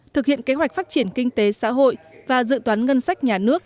thực hiện kế hoạch phát triển kinh tế xã hội và dự toán ngân sách nhà nước